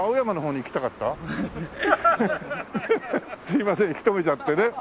すみません引き留めちゃってね。